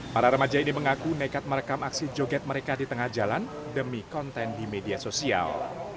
para remaja ini mengaku nekat merekam aksi joget mereka di tengah jalan demi konten di media sosial